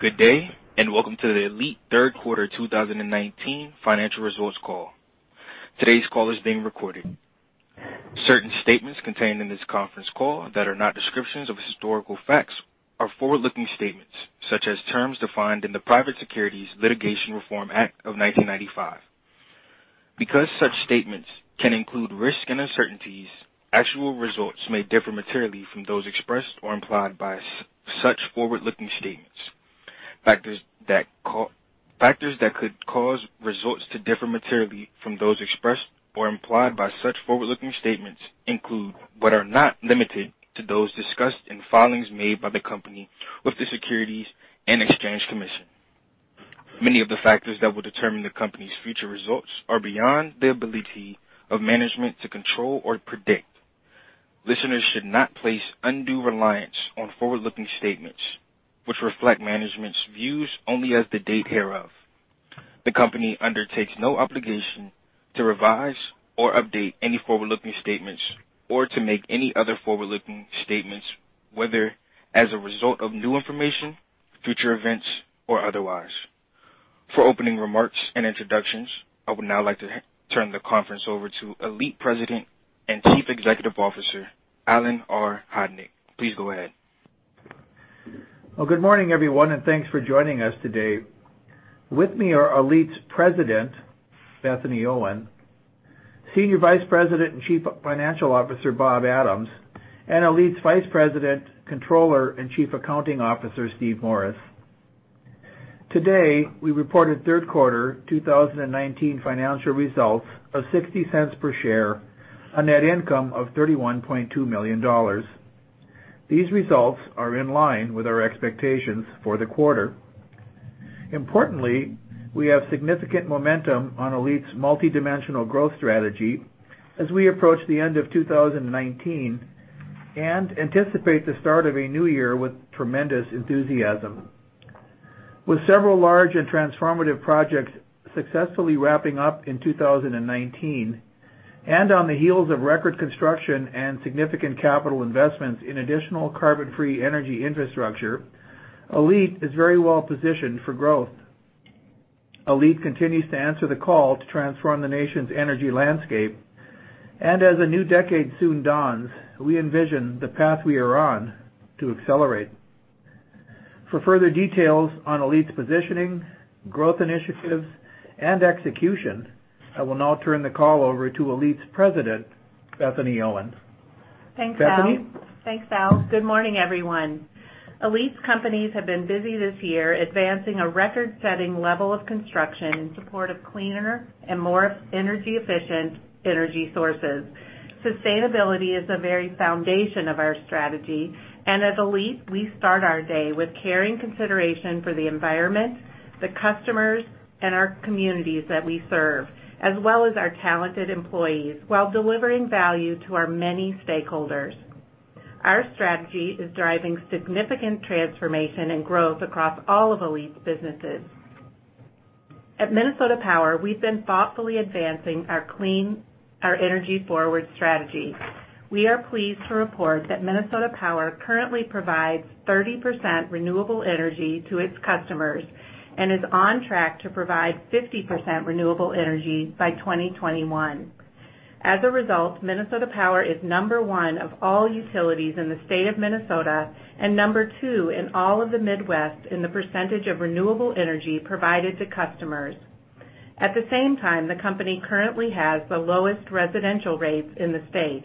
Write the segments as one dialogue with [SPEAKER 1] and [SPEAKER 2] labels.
[SPEAKER 1] Good day, and welcome to the ALLETE third quarter 2019 financial results call. Today's call is being recorded. Certain statements contained in this conference call that are not descriptions of historical facts are forward-looking statements, such as terms defined in the Private Securities Litigation Reform Act of 1995. Because such statements can include risks and uncertainties, actual results may differ materially from those expressed or implied by such forward-looking statements. Factors that could cause results to differ materially from those expressed or implied by such forward-looking statements include, but are not limited to, those discussed in filings made by the company with the Securities and Exchange Commission. Many of the factors that will determine the company's future results are beyond the ability of management to control or predict. Listeners should not place undue reliance on forward-looking statements, which reflect management's views only as of the date hereof. The company undertakes no obligation to revise or update any forward-looking statements or to make any other forward-looking statements, whether as a result of new information, future events, or otherwise. For opening remarks and introductions, I would now like to turn the conference over to ALLETE President and Chief Executive Officer, Alan R. Hodnik. Please go ahead.
[SPEAKER 2] Well, good morning, everyone, and thanks for joining us today. With me are ALLETE's President, Bethany Owen, Senior Vice President and Chief Financial Officer, Bob Adams, and ALLETE's Vice President, Comptroller, and Chief Accounting Officer, Steve Morris. Today, we reported third quarter 2019 financial results of $0.60 per share on net income of $31.2 million. These results are in line with our expectations for the quarter. Importantly, we have significant momentum on ALLETE's multidimensional growth strategy as we approach the end of 2019 and anticipate the start of a new year with tremendous enthusiasm. With several large and transformative projects successfully wrapping up in 2019, and on the heels of record construction and significant capital investments in additional carbon-free energy infrastructure, ALLETE is very well-positioned for growth. ALLETE continues to answer the call to transform the nation's energy landscape. As a new decade soon dawns, we envision the path we are on to accelerate. For further details on ALLETE's positioning, growth initiatives, and execution, I will now turn the call over to ALLETE's President, Bethany Owen. Bethany?
[SPEAKER 3] Thanks, Al. Good morning, everyone. ALLETE's companies have been busy this year advancing a record-setting level of construction in support of cleaner and more energy-efficient energy sources. Sustainability is the very foundation of our strategy. At ALLETE, we start our day with care and consideration for the environment, the customers, and our communities that we serve, as well as our talented employees, while delivering value to our many stakeholders. Our strategy is driving significant transformation and growth across all of ALLETE's businesses. At Minnesota Power, we've been thoughtfully advancing our clean EnergyForward strategy. We are pleased to report that Minnesota Power currently provides 30% renewable energy to its customers and is on track to provide 50% renewable energy by 2021. As a result, Minnesota Power is number one of all utilities in the state of Minnesota and number two in all of the Midwest in the percentage of renewable energy provided to customers. At the same time, the company currently has the lowest residential rates in the state.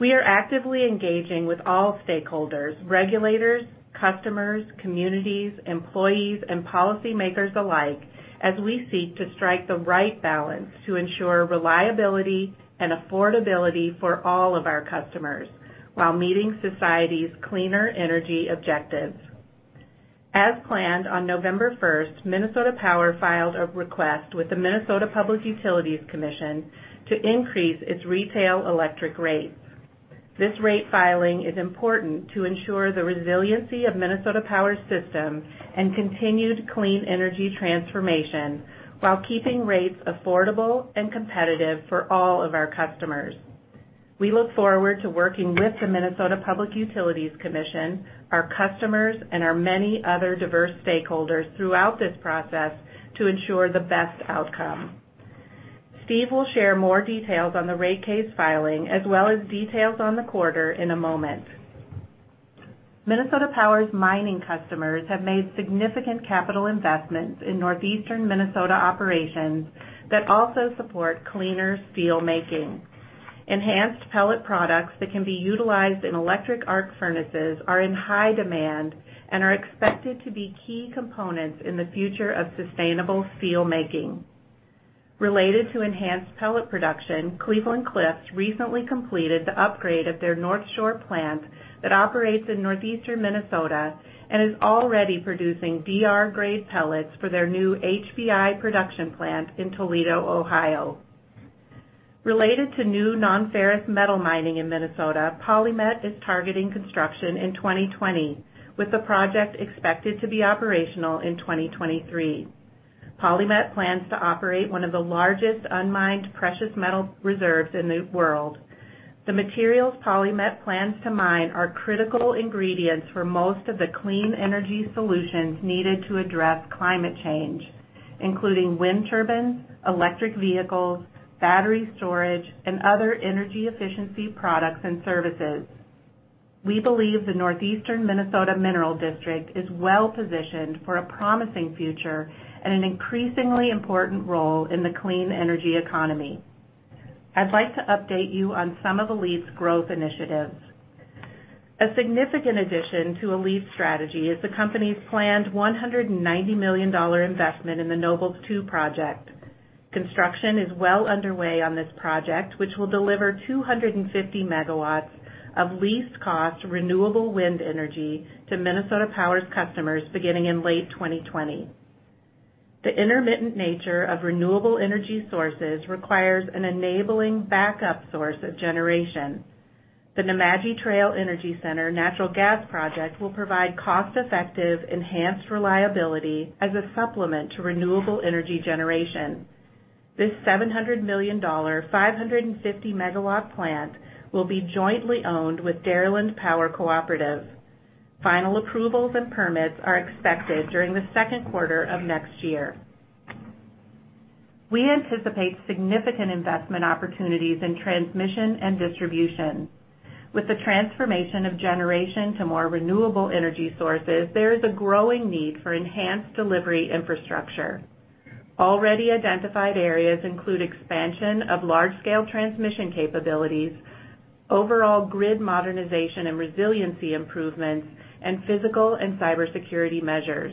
[SPEAKER 3] We are actively engaging with all stakeholders, regulators, customers, communities, employees, and policymakers alike as we seek to strike the right balance to ensure reliability and affordability for all of our customers while meeting society's cleaner energy objectives. As planned, on November 1st, Minnesota Power filed a request with the Minnesota Public Utilities Commission to increase its retail electric rates. This rate filing is important to ensure the resiliency of Minnesota Power's system and continued clean energy transformation while keeping rates affordable and competitive for all of our customers. We look forward to working with the Minnesota Public Utilities Commission, our customers, and our many other diverse stakeholders throughout this process to ensure the best outcome. Steve will share more details on the rate case filing, as well as details on the quarter in a moment. Minnesota Power's mining customers have made significant capital investments in northeastern Minnesota operations that also support cleaner steel making. Enhanced pellet products that can be utilized in electric arc furnaces are in high demand and are expected to be key components in the future of sustainable steel making. Related to enhanced pellet production, Cleveland-Cliffs recently completed the upgrade of their Northshore plant that operates in northeastern Minnesota and is already producing DR-grade pellets for their new HBI production plant in Toledo, Ohio. Related to new non-ferrous metal mining in Minnesota, PolyMet is targeting construction in 2020, with the project expected to be operational in 2023. PolyMet plans to operate one of the largest unmined precious metal reserves in the world. The materials PolyMet plans to mine are critical ingredients for most of the clean energy solutions needed to address climate change, including wind turbines, electric vehicles, battery storage, and other energy efficiency products and services. We believe the Northeastern Minnesota Mineral District is well-positioned for a promising future and an increasingly important role in the clean energy economy. I'd like to update you on some of ALLETE's growth initiatives. A significant addition to ALLETE's strategy is the company's planned $190 million investment in the Nobles 2 project. Construction is well underway on this project, which will deliver 250 megawatts of least-cost renewable wind energy to Minnesota Power's customers beginning in late 2020. The intermittent nature of renewable energy sources requires an enabling backup source of generation. The Nemadji Trail Energy Center natural gas project will provide cost-effective, enhanced reliability as a supplement to renewable energy generation. This $700 million, 550 MW plant will be jointly owned with Dairyland Power Cooperative. Final approvals and permits are expected during the second quarter of next year. We anticipate significant investment opportunities in transmission and distribution. With the transformation of generation to more renewable energy sources, there is a growing need for enhanced delivery infrastructure. Already identified areas include expansion of large-scale transmission capabilities, overall grid modernization and resiliency improvements, and physical and cybersecurity measures.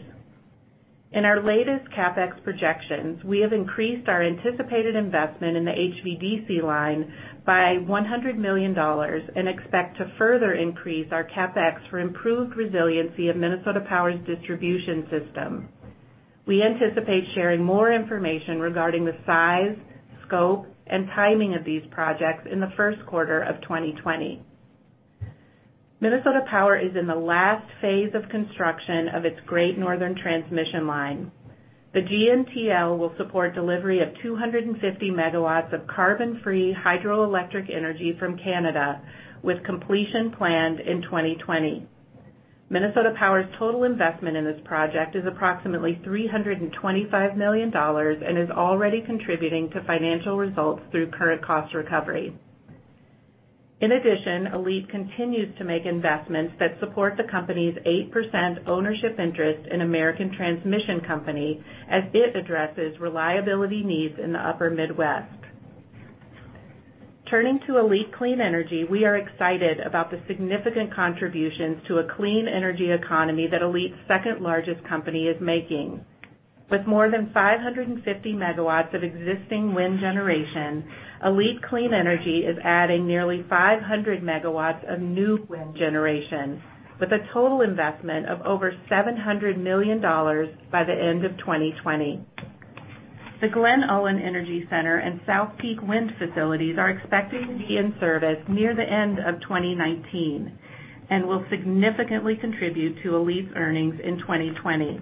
[SPEAKER 3] In our latest CapEx projections, we have increased our anticipated investment in the HVDC line by $100 million and expect to further increase our CapEx for improved resiliency of Minnesota Power's distribution system. We anticipate sharing more information regarding the size, scope, and timing of these projects in the first quarter of 2020. Minnesota Power is in the last phase of construction of its Great Northern Transmission Line. The GNTL will support delivery of 250 megawatts of carbon-free hydroelectric energy from Canada, with completion planned in 2020. Minnesota Power's total investment in this project is approximately $325 million and is already contributing to financial results through current cost recovery. ALLETE continues to make investments that support the company's 8% ownership interest in American Transmission Company as it addresses reliability needs in the upper Midwest. Turning to ALLETE Clean Energy, we are excited about the significant contributions to a clean energy economy that ALLETE's second-largest company is making. With more than 550 megawatts of existing wind generation, ALLETE Clean Energy is adding nearly 500 megawatts of new wind generation with a total investment of over $700 million by the end of 2020. The Glen Ullin Energy Center and South Peak Wind facilities are expected to be in service near the end of 2019 and will significantly contribute to ALLETE's earnings in 2020.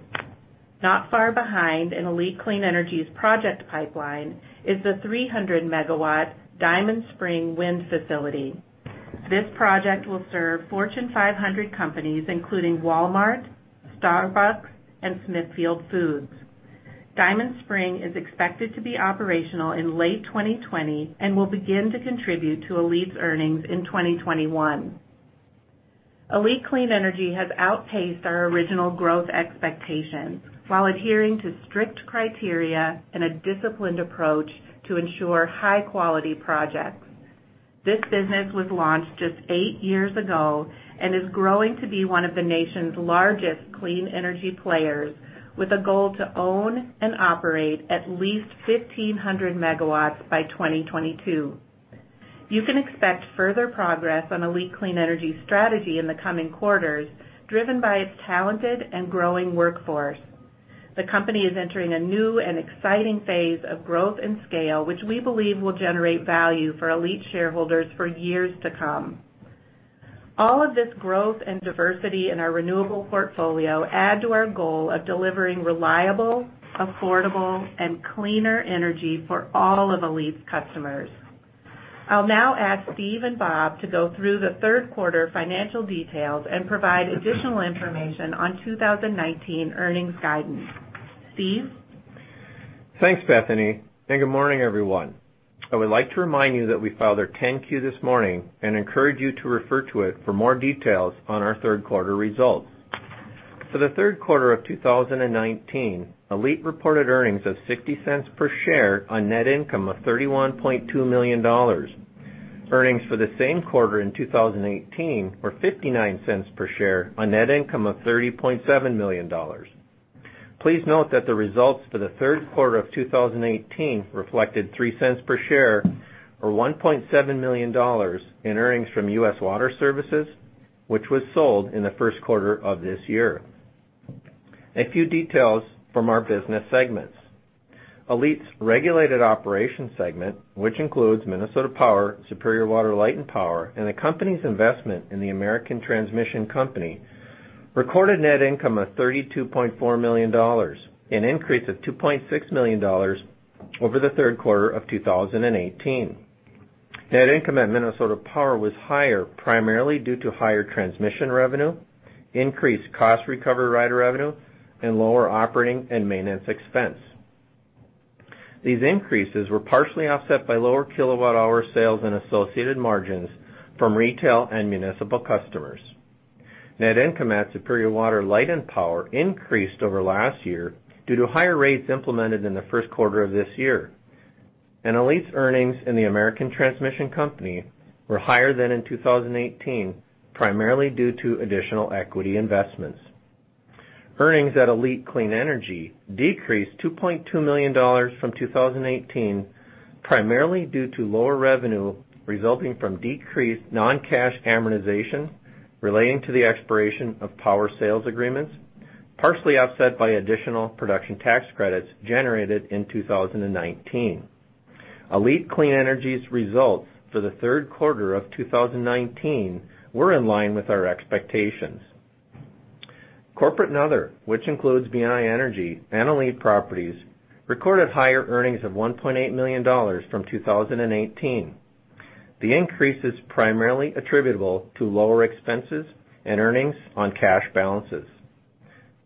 [SPEAKER 3] Not far behind in ALLETE Clean Energy's project pipeline is the 300-megawatt Diamond Spring Wind facility. This project will serve Fortune 500 companies, including Walmart, Starbucks, and Smithfield Foods. Diamond Spring is expected to be operational in late 2020 and will begin to contribute to ALLETE's earnings in 2021. ALLETE Clean Energy has outpaced our original growth expectations while adhering to strict criteria and a disciplined approach to ensure high-quality projects. This business was launched just eight years ago and is growing to be one of the nation's largest clean energy players with a goal to own and operate at least 1,500 megawatts by 2022. You can expect further progress on ALLETE Clean Energy's strategy in the coming quarters, driven by its talented and growing workforce. The company is entering a new and exciting phase of growth and scale, which we believe will generate value for ALLETE shareholders for years to come. All of this growth and diversity in our renewable portfolio add to our goal of delivering reliable, affordable, and cleaner energy for all of ALLETE's customers. I'll now ask Steve and Bob to go through the third-quarter financial details and provide additional information on 2019 earnings guidance. Steve?
[SPEAKER 4] Thanks, Bethany. Good morning, everyone. I would like to remind you that we filed our 10-Q this morning and encourage you to refer to it for more details on our third-quarter results. For the third quarter of 2019, ALLETE reported earnings of $0.60 per share on net income of $31.2 million. Earnings for the same quarter in 2018 were $0.59 per share on net income of $30.7 million. Please note that the results for the third quarter of 2018 reflected $0.03 per share or $1.7 million in earnings from U.S. Water Services, which was sold in the first quarter of this year. A few details from our business segments. ALLETE's regulated operations segment, which includes Minnesota Power, Superior Water, Light and Power, and the company's investment in the American Transmission Company, recorded net income of $32.4 million, an increase of $2.6 million over the third quarter of 2018. Net income at Minnesota Power was higher, primarily due to higher transmission revenue, increased cost recovery rider revenue, and lower operating and maintenance expense. These increases were partially offset by lower kilowatt hour sales and associated margins from retail and municipal customers. Net income at Superior Water, Light and Power increased over last year due to higher rates implemented in the first quarter of this year. ALLETE's earnings in the American Transmission Company were higher than in 2018, primarily due to additional equity investments. Earnings at ALLETE Clean Energy decreased to $2.2 million from 2018, primarily due to lower revenue resulting from decreased non-cash amortization relating to the expiration of power sales agreements, partially offset by additional Production Tax Credits generated in 2019. ALLETE Clean Energy's results for the third quarter of 2019 were in line with our expectations. Corporate and other, which includes BNI Energy and ALLETE Properties, recorded higher earnings of $1.8 million from 2018. The increase is primarily attributable to lower expenses and earnings on cash balances.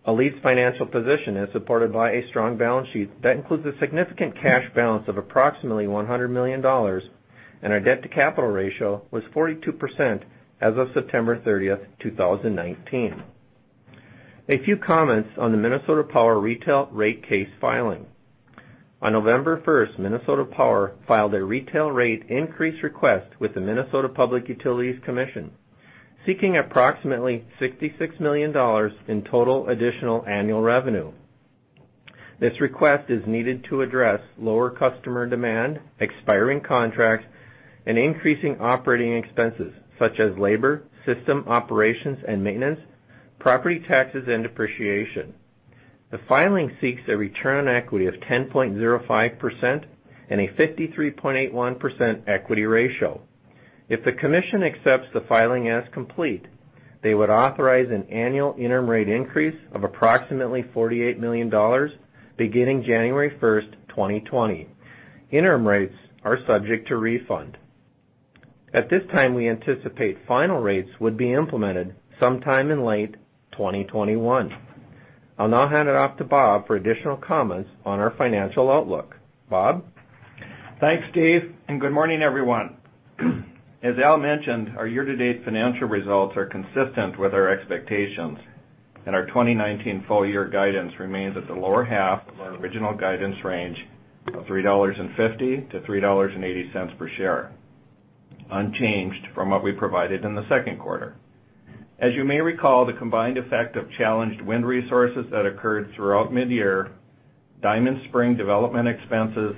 [SPEAKER 4] ALLETE's financial position is supported by a strong balance sheet that includes a significant cash balance of approximately $100 million, and our debt to capital ratio was 42% as of September 30th, 2019. A few comments on the Minnesota Power retail rate case filing. On November 1st, Minnesota Power filed a retail rate increase request with the Minnesota Public Utilities Commission, seeking approximately $66 million in total additional annual revenue. This request is needed to address lower customer demand, expiring contracts, and increasing operating expenses such as labor, system operations and maintenance, property taxes, and depreciation. The filing seeks a return on equity of 10.05% and a 53.81% equity ratio. If the commission accepts the filing as complete, they would authorize an annual interim rate increase of approximately $48 million, beginning January 1st, 2020. Interim rates are subject to refund. At this time, we anticipate final rates would be implemented sometime in late 2021. I'll now hand it off to Bob for additional comments on our financial outlook. Bob?
[SPEAKER 5] Thanks, Steve, good morning, everyone. As Al mentioned, our year-to-date financial results are consistent with our expectations, and our 2019 full-year guidance remains at the lower half of our original guidance range of $3.50-$3.80 per share, unchanged from what we provided in the second quarter. As you may recall, the combined effect of challenged wind resources that occurred throughout mid-year, Diamond Spring development expenses,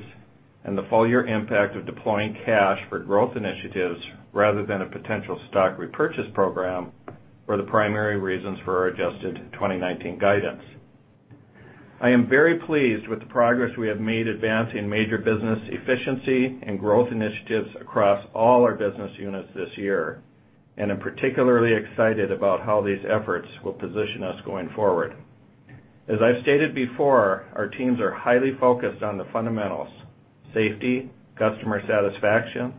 [SPEAKER 5] and the full-year impact of deploying cash for growth initiatives rather than a potential stock repurchase program were the primary reasons for our adjusted 2019 guidance. I am very pleased with the progress we have made advancing major business efficiency and growth initiatives across all our business units this year, and I'm particularly excited about how these efforts will position us going forward. As I've stated before, our teams are highly focused on the fundamentals: safety, customer satisfaction,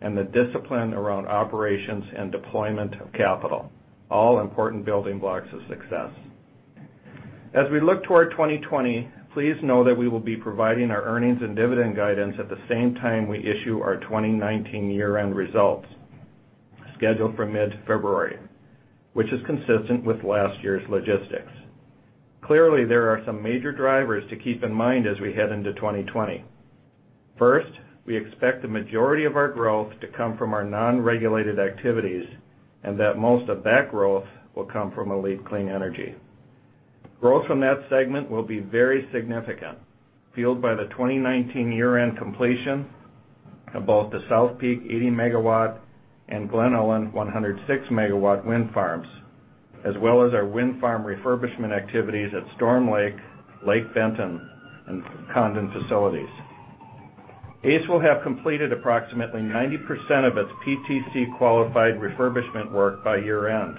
[SPEAKER 5] and the discipline around operations and deployment of capital. All important building blocks of success. As we look toward 2020, please know that we will be providing our earnings and dividend guidance at the same time we issue our 2019 year-end results, scheduled for mid-February, which is consistent with last year's logistics. There are some major drivers to keep in mind as we head into 2020. First, we expect the majority of our growth to come from our non-regulated activities, and that most of that growth will come from ALLETE Clean Energy. Growth from that segment will be very significant, fueled by the 2019 year-end completion of both the South Peak 80 MW and Glen Ullin 106 MW wind farms, as well as our wind farm refurbishment activities at Storm Lake Benton, and Condon facilities. ACE will have completed approximately 90% of its PTC-qualified refurbishment work by year-end,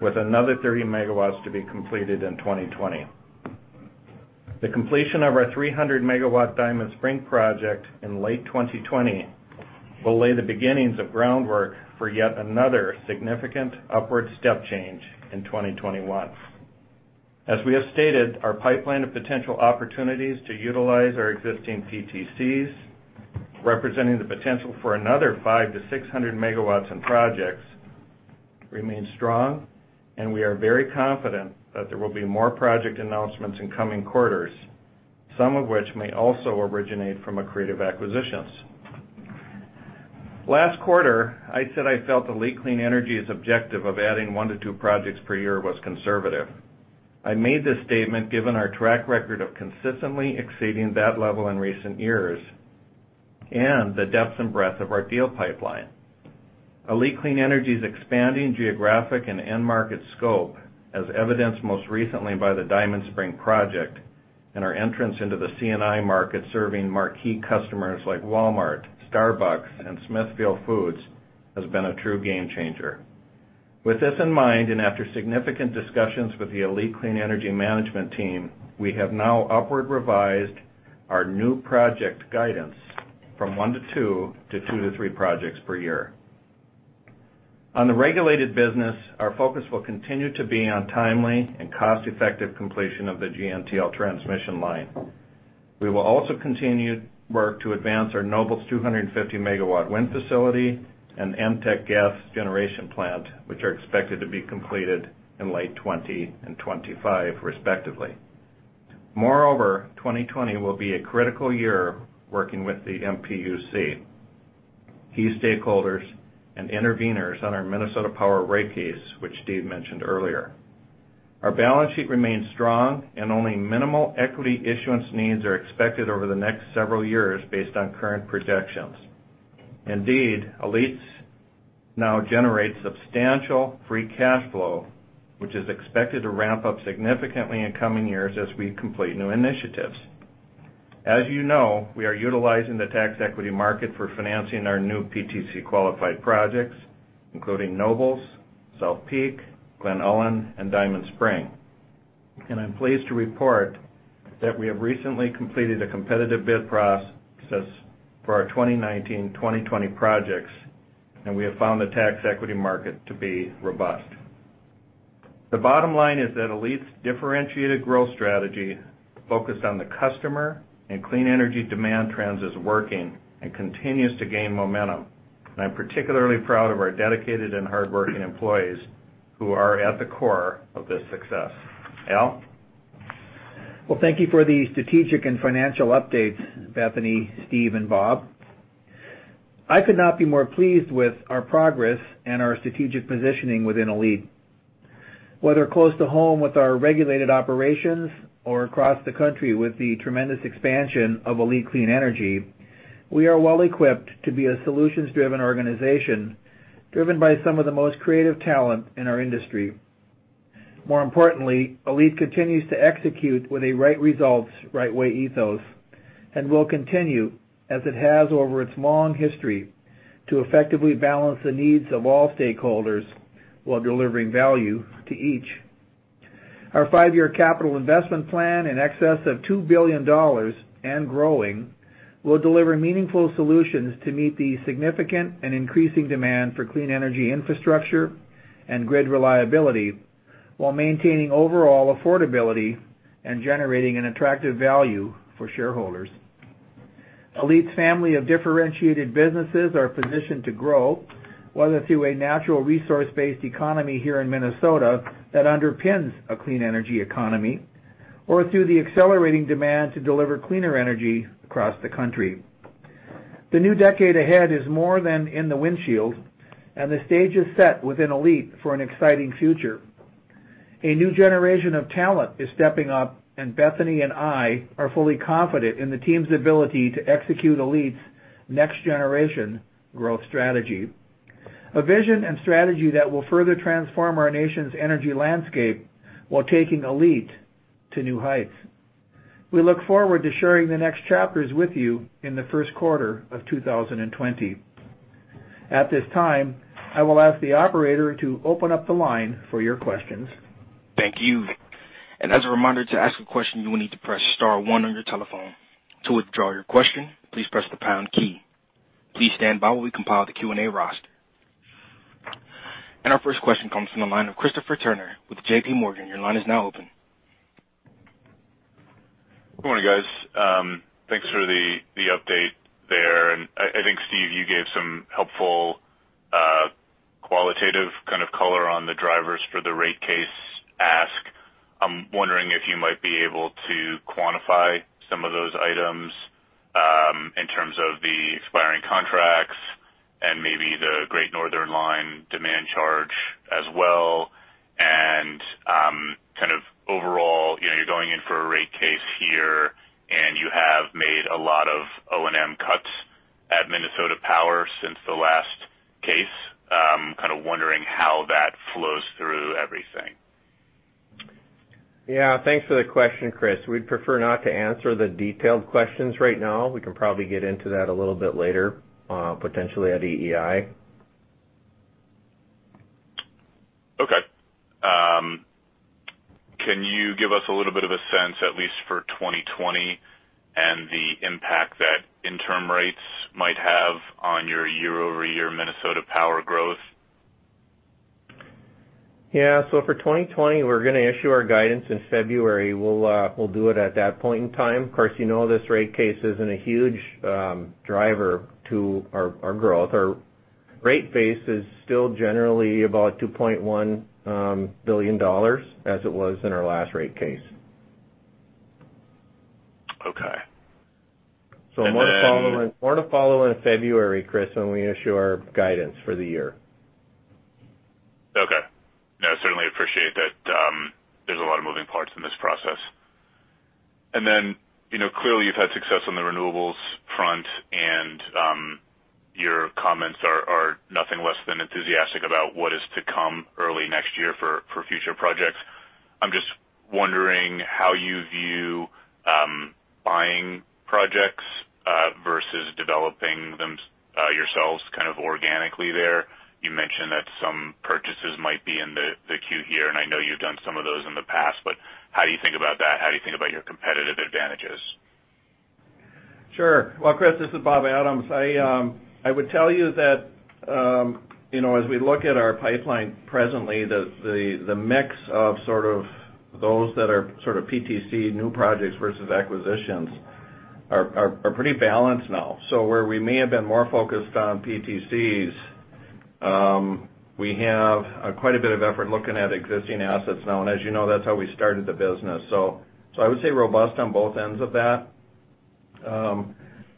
[SPEAKER 5] with another 30 megawatts to be completed in 2020. The completion of our 300-megawatt Diamond Spring project in late 2020 will lay the beginnings of groundwork for yet another significant upward step change in 2021. As we have stated, our pipeline of potential opportunities to utilize our existing PTCs, representing the potential for another five to 600 megawatts in projects, remains strong, and we are very confident that there will be more project announcements in coming quarters, some of which may also originate from accretive acquisitions. Last quarter, I said I felt ALLETE Clean Energy's objective of adding one to two projects per year was conservative. I made this statement given our track record of consistently exceeding that level in recent years, and the depth and breadth of our deal pipeline. ALLETE Clean Energy is expanding geographic and end market scope as evidenced most recently by the Diamond Spring project and our entrance into the C&I market serving marquee customers like Walmart, Starbucks, and Smithfield Foods, has been a true game changer. With this in mind, and after significant discussions with the ALLETE Clean Energy management team, we have now upward revised our new project guidance from 1 to 2 to 2 to 3 projects per year. On the regulated business, our focus will continue to be on timely and cost-effective completion of the GNTL transmission line. We will also continue work to advance our Nobles 250-megawatt wind facility and NTEC gas generation plant, which are expected to be completed in late 2020 and 2025, respectively. Moreover, 2020 will be a critical year working with the MPUC, key stakeholders, and interveners on our Minnesota Power rate case, which Steve mentioned earlier. Our balance sheet remains strong, and only minimal equity issuance needs are expected over the next several years based on current projections. Indeed, ALLETE now generates substantial free cash flow, which is expected to ramp up significantly in coming years as we complete new initiatives. As you know, we are utilizing the tax equity market for financing our new PTC-qualified projects, including Nobles, South Peak, Glen Ullin, and Diamond Spring. I'm pleased to report that we have recently completed a competitive bid process for our 2019-2020 projects, and we have found the tax equity market to be robust. The bottom line is that ALLETE's differentiated growth strategy focused on the customer and clean energy demand trends is working and continues to gain momentum. I'm particularly proud of our dedicated and hardworking employees who are at the core of this success. Al?
[SPEAKER 2] Well, thank you for the strategic and financial updates, Bethany, Steve, and Bob. I could not be more pleased with our progress and our strategic positioning within ALLETE. Whether close to home with our regulated operations or across the country with the tremendous expansion of ALLETE Clean Energy, we are well-equipped to be a solutions-driven organization driven by some of the most creative talent in our industry. More importantly, ALLETE continues to execute with a right results, right way ethos, and will continue, as it has over its long history, to effectively balance the needs of all stakeholders while delivering value to each. Our five-year capital investment plan in excess of $2 billion and growing will deliver meaningful solutions to meet the significant and increasing demand for clean energy infrastructure and grid reliability while maintaining overall affordability and generating an attractive value for shareholders. ALLETE's family of differentiated businesses are positioned to grow, whether through a natural resource-based economy here in Minnesota that underpins a clean energy economy or through the accelerating demand to deliver cleaner energy across the country. The new decade ahead is more than in the windshield, and the stage is set within ALLETE for an exciting future. A new generation of talent is stepping up, and Bethany and I are fully confident in the team's ability to execute ALLETE's next-generation growth strategy. A vision and strategy that will further transform our nation's energy landscape while taking ALLETE to new heights. We look forward to sharing the next chapters with you in the first quarter of 2020. At this time, I will ask the operator to open up the line for your questions.
[SPEAKER 1] Thank you. As a reminder, to ask a question, you will need to press star 1 on your telephone. To withdraw your question, please press the pound key. Please stand by while we compile the Q&A roster. Our first question comes from the line of Christopher Turnure with J.P. Morgan. Your line is now open.
[SPEAKER 6] Good morning, guys. Thanks for the update there. I think, Steve, you gave some helpful qualitative kind of color on the drivers for the rate case ask. I'm wondering if you might be able to quantify some of those items, in terms of the expiring contracts and maybe the Great Northern line demand charge as well. Kind of overall, you're going in for a rate case here, and you have made a lot of O&M cuts at Minnesota Power since the last case. I'm kind of wondering how that flows through everything.
[SPEAKER 5] Yeah. Thanks for the question, Chris. We'd prefer not to answer the detailed questions right now. We can probably get into that a little bit later, potentially at EEI.
[SPEAKER 6] Okay. Can you give us a little bit of a sense, at least for 2020, and the impact that interim rates might have on your year-over-year Minnesota Power growth?
[SPEAKER 5] Yeah. For 2020, we're going to issue our guidance in February. We'll do it at that point in time. Of course, you know this rate case isn't a huge driver to our growth. Our rate base is still generally about $2.1 billion, as it was in our last rate case.
[SPEAKER 6] Okay.
[SPEAKER 5] More to follow in February, Chris, when we issue our guidance for the year.
[SPEAKER 6] Okay process. Clearly you've had success on the renewables front and your comments are nothing less than enthusiastic about what is to come early next year for future projects. I'm just wondering how you view buying projects versus developing them yourselves organically there. You mentioned that some purchases might be in the queue here, and I know you've done some of those in the past, but how do you think about that? How do you think about your competitive advantages?
[SPEAKER 5] Sure. Well, Chris, this is Bob Adams. I would tell you that, as we look at our pipeline presently, the mix of those that are PTC new projects versus acquisitions are pretty balanced now. Where we may have been more focused on PTCs, we have quite a bit of effort looking at existing assets now, and as you know, that's how we started the business. I would say robust on both ends of that.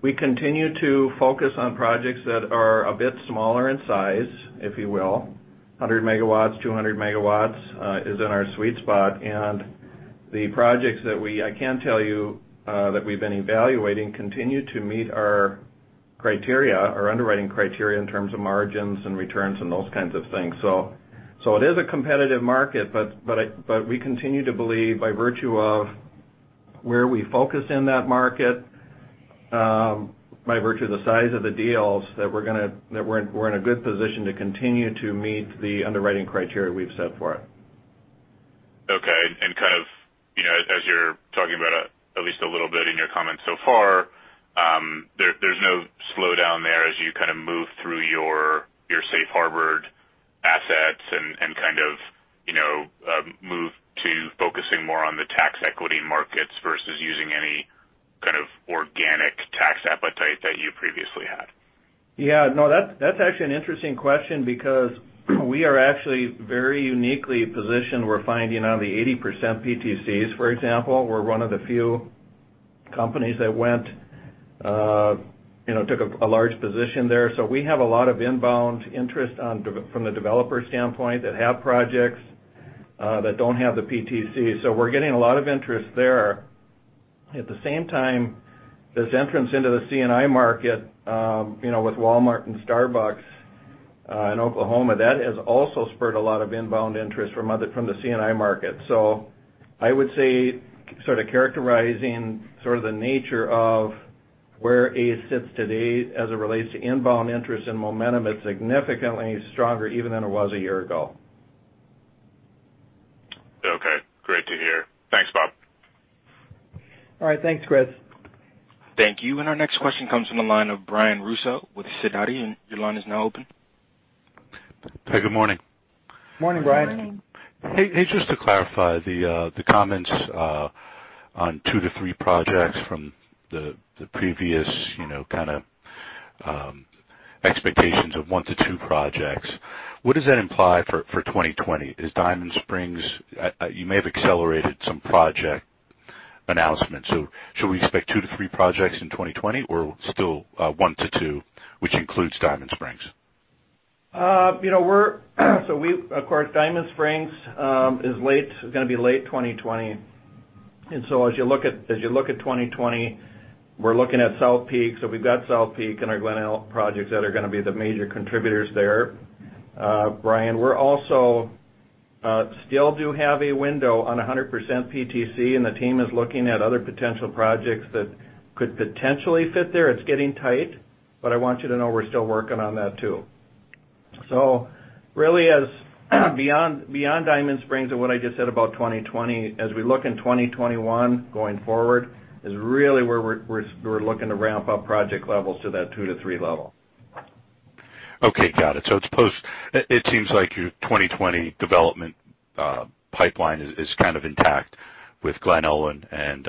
[SPEAKER 5] We continue to focus on projects that are a bit smaller in size, if you will, 100 MW, 200 MW, is in our sweet spot. The projects that I can tell you that we've been evaluating continue to meet our underwriting criteria in terms of margins and returns and those kinds of things. It is a competitive market, but we continue to believe by virtue of where we focus in that market, by virtue of the size of the deals, that we're in a good position to continue to meet the underwriting criteria we've set for it.
[SPEAKER 6] Okay. As you're talking about at least a little bit in your comments so far, there's no slowdown there as you move through your safe harbored assets and move to focusing more on the tax equity markets versus using any kind of organic tax appetite that you previously had.
[SPEAKER 5] No, that's actually an interesting question because we are actually very uniquely positioned. We're finding on the 80% PTCs, for example. We're one of the few companies that took a large position there. We have a lot of inbound interest from the developer standpoint that have projects, that don't have the PTC. We're getting a lot of interest there. At the same time, this entrance into the C&I market, with Walmart and Starbucks, in Oklahoma, has also spurred a lot of inbound interest from the C&I market. I would say, characterizing the nature of where ACE sits today as it relates to inbound interest and momentum, it's significantly stronger even than it was a year ago.
[SPEAKER 6] Okay. Great to hear. Thanks, Bob.
[SPEAKER 5] All right. Thanks, Chris.
[SPEAKER 1] Thank you. Our next question comes from the line of Brian Russo with Sidoti. Your line is now open.
[SPEAKER 7] Hey, good morning.
[SPEAKER 5] Morning, Brian.
[SPEAKER 3] Good morning.
[SPEAKER 7] Hey. Just to clarify the comments on 2 to 3 projects from the previous expectations of 1 to 2 projects. What does that imply for 2020? Is Diamond Spring? You may have accelerated some project announcements. Should we expect 2 to 3 projects in 2020 or still 1 to 2, which includes Diamond Spring?
[SPEAKER 5] Of course, Diamond Spring is going to be late 2020. As you look at 2020, we're looking at South Peak. We've got South Peak and our Glen Ullin projects that are going to be the major contributors there, Brian. We also still do have a window on 100% PTC, and the team is looking at other potential projects that could potentially fit there. It's getting tight, I want you to know we're still working on that, too. Really, as beyond Diamond Spring and what I just said about 2020, as we look in 2021 going forward, is really where we're looking to ramp up project levels to that 2 to 3 level.
[SPEAKER 7] Okay. Got it. It seems like your 2020 development pipeline is kind of intact with Glen Ullin and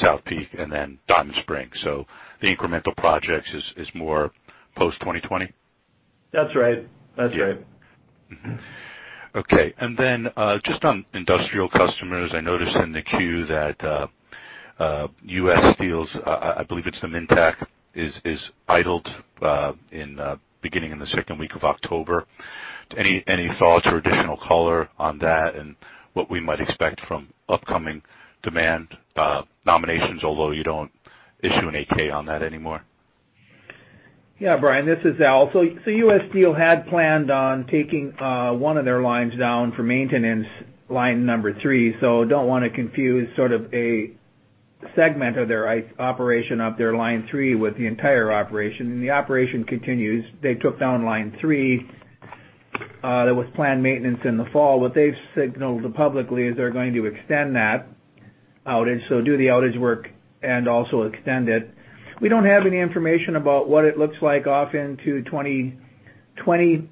[SPEAKER 7] South Peak and then Diamond Spring. The incremental projects is more post-2020?
[SPEAKER 5] That's right.
[SPEAKER 7] Yeah. Mm-hmm. Okay. Then, just on industrial customers, I noticed in the queue that U.S. Steel's, I believe it's the Minntac, is idled beginning in the second week of October. Any thoughts or additional color on that and what we might expect from upcoming demand nominations, although you don't issue an 8-K on that anymore?
[SPEAKER 2] Yeah, Brian, this is Al. U.S. Steel had planned on taking one of their lines down for maintenance, line number three. Don't want to confuse a segment of their operation of their line three with the entire operation. The operation continues. They took down line three. That was planned maintenance in the fall. What they've signaled publicly is they're going to extend that outage, so do the outage work and also extend it. We don't have any information about what it looks like off into 2020.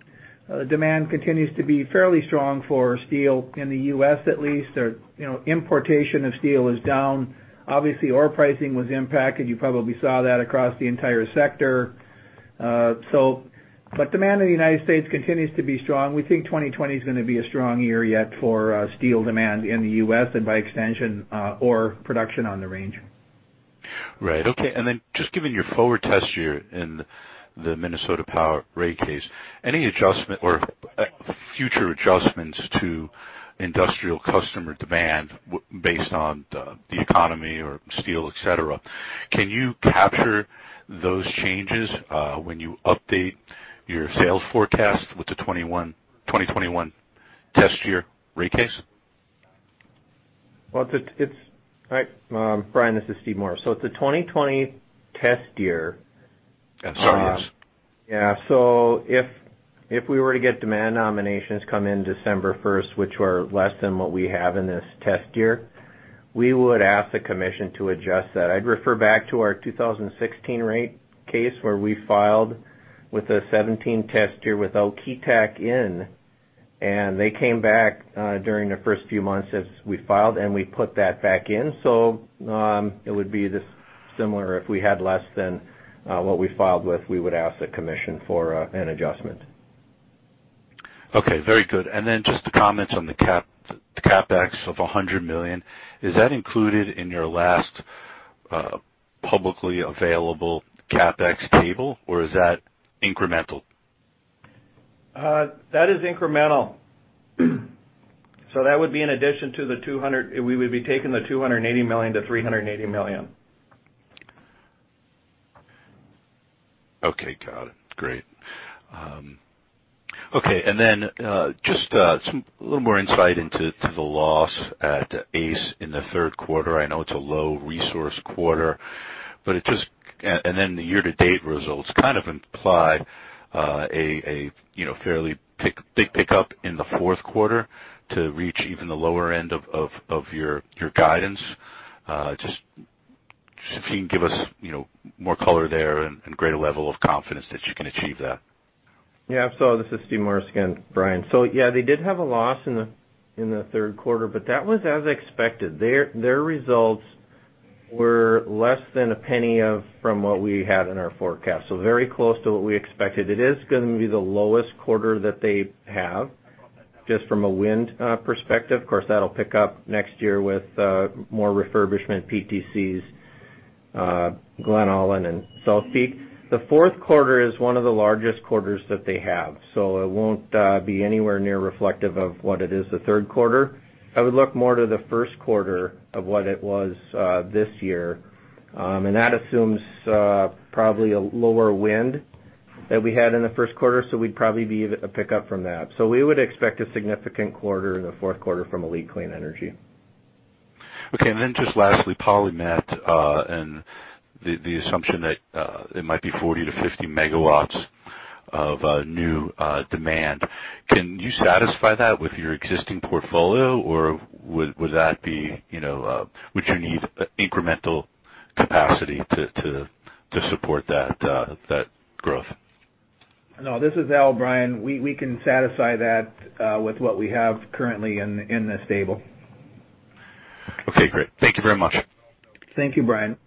[SPEAKER 2] Demand continues to be fairly strong for steel in the U.S. at least, or importation of steel is down. Obviously, ore pricing was impacted. You probably saw that across the entire sector. Demand in the United States continues to be strong.
[SPEAKER 5] We think 2020 is going to be a strong year yet for steel demand in the U.S. and by extension, ore production on the range.
[SPEAKER 7] Right. Okay. Just given your forward test year in the Minnesota Power rate case, any adjustment or future adjustments to industrial customer demand based on the economy or steel, et cetera, can you capture those changes when you update your sales forecast with the 2021 test year rate case?
[SPEAKER 4] Brian, this is Steve Morris. It's a 2020 test year.
[SPEAKER 7] I'm sorry, yes.
[SPEAKER 4] Yeah. If we were to get demand nominations come in December 1st, which were less than what we have in this test year, we would ask the commission to adjust that. I'd refer back to our 2016 rate case, where we filed with the 2017 test year without Keetac in, and they came back during the first few months as we filed, and we put that back in. It would be similar if we had less than what we filed with, we would ask the commission for an adjustment.
[SPEAKER 7] Okay. Very good. Then just to comment on the CapEx of $100 million. Is that included in your last publicly available CapEx table, or is that incremental?
[SPEAKER 4] That is incremental. That would be in addition to the $200 million. We would be taking the $280 million-$380 million.
[SPEAKER 7] Okay, got it. Great. Okay. Just a little more insight into the loss at ACE in the third quarter. I know it's a low resource quarter. The year-to-date results kind of imply a fairly big pickup in the fourth quarter to reach even the lower end of your guidance. Just if you can give us more color there and greater level of confidence that you can achieve that?
[SPEAKER 4] Yeah. This is Steve Morris again, Brian. Yeah, they did have a loss in the third quarter, but that was as expected. Their results were less than $0.01 from what we had in our forecast, very close to what we expected. It is going to be the lowest quarter that they have just from a wind perspective. Of course, that'll pick up next year with more refurbishment PTCs, Glen Ullin and South Peak. The fourth quarter is one of the largest quarters that they have, it won't be anywhere near reflective of what it is the third quarter. I would look more to the first quarter of what it was this year. That assumes probably a lower wind that we had in the first quarter, we'd probably be at a pickup from that. We would expect a significant quarter in the fourth quarter from ALLETE Clean Energy.
[SPEAKER 7] Okay, just lastly, PolyMet, and the assumption that it might be 40 to 50 megawatts of new demand. Can you satisfy that with your existing portfolio or would you need incremental capacity to support that growth?
[SPEAKER 2] No, this is Al, Brian. We can satisfy that with what we have currently in this table.
[SPEAKER 7] Okay, great. Thank you very much.
[SPEAKER 2] Thank you, Brian.
[SPEAKER 1] Thank you.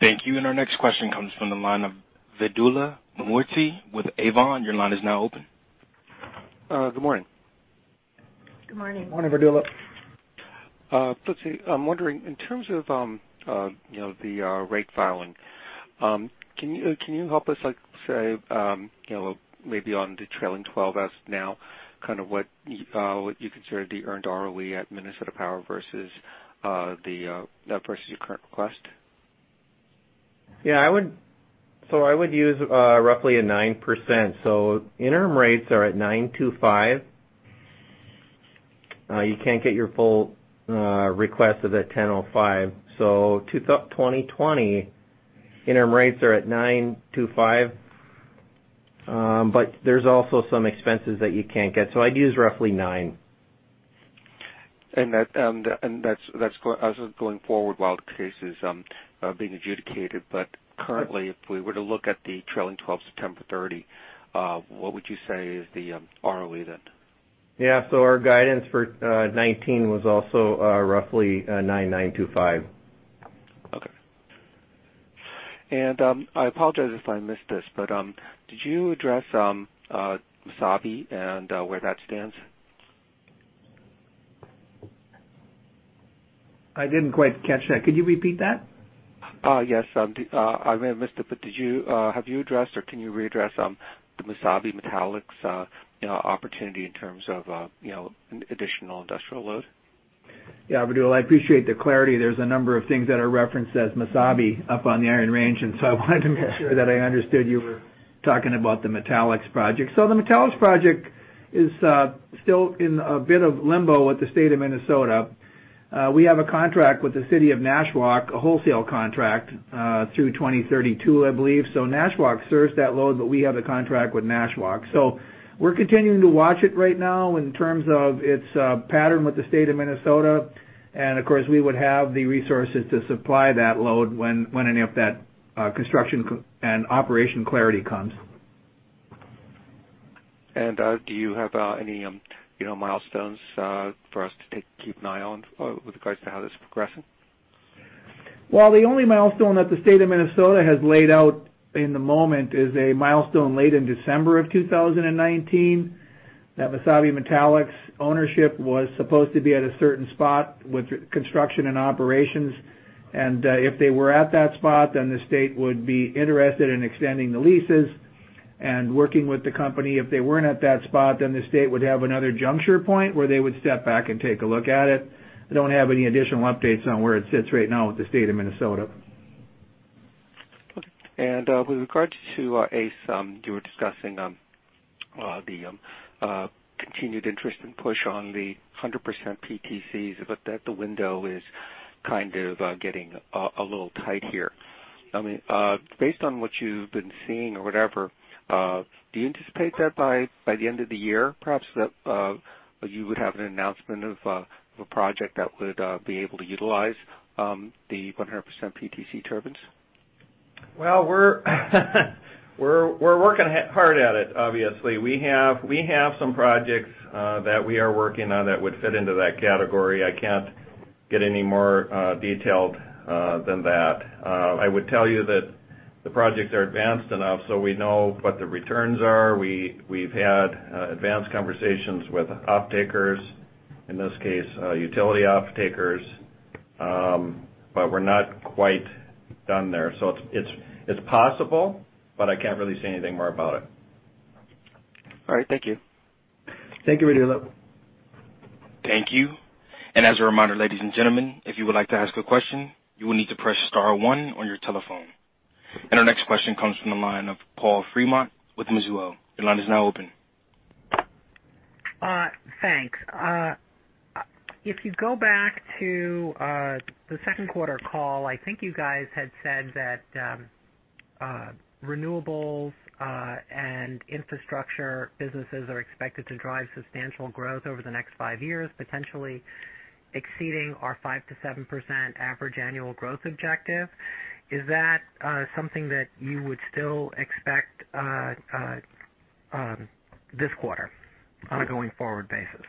[SPEAKER 1] Our next question comes from the line of Vedula Murti with Avon. Your line is now open.
[SPEAKER 8] Good morning.
[SPEAKER 4] Good morning. Morning, Vedula.
[SPEAKER 8] Let's see. I'm wondering, in terms of the rate filing, can you help us like say maybe on the trailing 12 as now, kind of what you consider the earned ROE at Minnesota Power versus your current request?
[SPEAKER 4] Yeah. I would use roughly a 9%. Interim rates are at 9.25. You can't get your full request of the 10.05. 2020 interim rates are at 9.25, but there's also some expenses that you can't get. I'd use roughly nine.
[SPEAKER 8] That's as of going forward while the case is being adjudicated. Currently, if we were to look at the trailing 12 September 30, what would you say is the ROE then?
[SPEAKER 4] Yeah. Our guidance for 2019 was also roughly $9.925.
[SPEAKER 8] Okay. I apologize if I missed this, but did you address Mesabi and where that stands?
[SPEAKER 2] I didn't quite catch that. Could you repeat that?
[SPEAKER 8] Yes. I may have missed it, but have you addressed or can you readdress the Mesabi Metallics opportunity in terms of additional industrial load?
[SPEAKER 2] Yeah. Vedula, I appreciate the clarity. There's a number of things that are referenced as Mesabi up on the Iron Range, and so I wanted to make sure that I understood you were talking about the Metallics project. The Metallics project is still in a bit of limbo with the State of Minnesota. We have a contract with the City of Nashwauk, a wholesale contract through 2032, I believe. Nashwauk serves that load, but we have a contract with Nashwauk. We're continuing to watch it right now in terms of its pattern with the State of Minnesota, and of course, we would have the resources to supply that load when any of that construction and operation clarity comes.
[SPEAKER 8] Do you have any milestones for us to keep an eye on with regards to how this is progressing?
[SPEAKER 2] Well, the only milestone that the state of Minnesota has laid out in the moment is a milestone late in December of 2019.
[SPEAKER 5] That Mesabi Metallics ownership was supposed to be at a certain spot with construction and operations. If they were at that spot, the state would be interested in extending the leases and working with the company. If they weren't at that spot, the state would have another juncture point where they would step back and take a look at it. I don't have any additional updates on where it sits right now with the state of Minnesota.
[SPEAKER 8] Okay. With regards to ACE, you were discussing the continued interest and push on the 100% PTCs, but that the window is kind of getting a little tight here. Based on what you've been seeing or whatever, do you anticipate that by the end of the year, perhaps, that you would have an announcement of a project that would be able to utilize the 100% PTC turbines?
[SPEAKER 5] Well, we're working hard at it, obviously. We have some projects that we are working on that would fit into that category. I can't get any more detailed than that. I would tell you that the projects are advanced enough so we know what the returns are. We've had advanced conversations with off-takers, in this case, utility off-takers. We're not quite done there. It's possible, but I can't really say anything more about it.
[SPEAKER 8] All right. Thank you.
[SPEAKER 2] Thank you.
[SPEAKER 1] Thank you. As a reminder, ladies and gentlemen, if you would like to ask a question, you will need to press star one on your telephone. Our next question comes from the line of Paul Fremont with Mizuho. Your line is now open.
[SPEAKER 9] Thanks. If you go back to the second quarter call, I think you guys had said that renewables and infrastructure businesses are expected to drive substantial growth over the next five years, potentially exceeding our 5%-7% average annual growth objective. Is that something that you would still expect this quarter on a going-forward basis?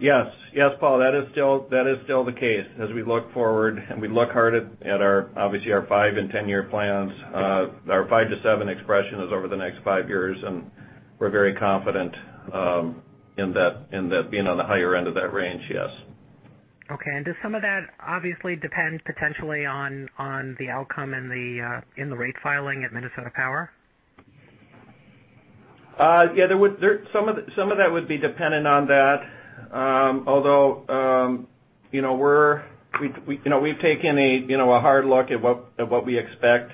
[SPEAKER 5] Yes, Paul, that is still the case as we look forward and we look hard at, obviously, our five and 10-year plans. Our five to seven expression is over the next five years, and we're very confident in that being on the higher end of that range, yes.
[SPEAKER 9] Okay. Does some of that obviously depend potentially on the outcome in the rate filing at Minnesota Power?
[SPEAKER 5] Yeah. Some of that would be dependent on that. We've taken a hard look at what we expect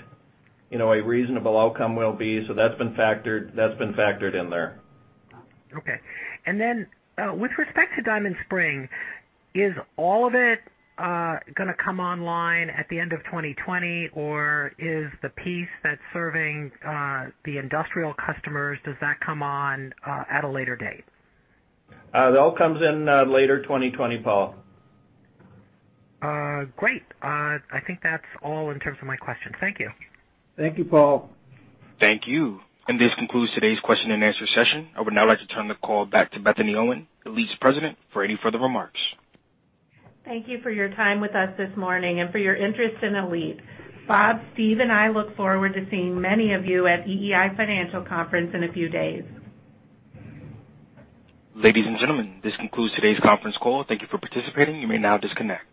[SPEAKER 5] a reasonable outcome will be. That's been factored in there.
[SPEAKER 9] Okay. With respect to Diamond Spring, is all of it going to come online at the end of 2020, or is the piece that's serving the industrial customers, does that come on at a later date?
[SPEAKER 5] It all comes in later 2020, Paul.
[SPEAKER 9] Great. I think that's all in terms of my questions. Thank you.
[SPEAKER 2] Thank you, Paul.
[SPEAKER 1] Thank you. This concludes today's question and answer session. I would now like to turn the call back to Bethany Owen, ALLETE's President, for any further remarks.
[SPEAKER 3] Thank you for your time with us this morning and for your interest in ALLETE. Bob, Steve, and I look forward to seeing many of you at EEI Financial Conference in a few days.
[SPEAKER 1] Ladies and gentlemen, this concludes today's conference call. Thank you for participating. You may now disconnect.